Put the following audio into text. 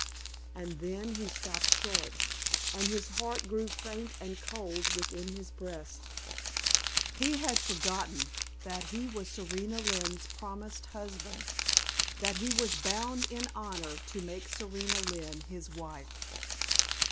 And then he stopped short, and his heart grew faint and cold within his breast. He had forgotten that he was Serena Lynne's promised husband, that he was bound in honor to make Serena Lynne his wife.